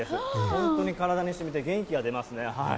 本当に体にしみて元気が出ますね。